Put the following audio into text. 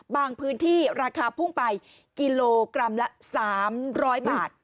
พื้นที่ราคาพุ่งไปกิโลกรัมละ๓๐๐บาท